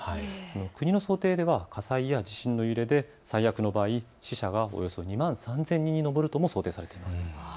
国の想定では火災や地震の揺れで最悪の場合、死者はおよそ２万３０００人に上ると想定されています。